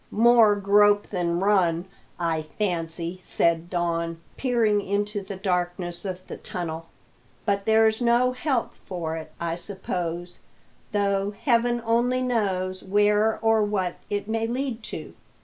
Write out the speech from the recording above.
"More grope than run, I fancy," said Don, peering into the darkness of the tunnel. "But there's no help for it, I suppose; though Heaven only knows where or what it may lead to!